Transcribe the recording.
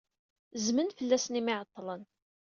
Zzmen fell-asen imi ay ɛeḍḍlen.